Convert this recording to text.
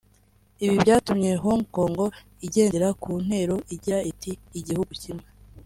Ibi byatumye Hong Kong igendera ku ntero igira iti “Igihugu Kimwe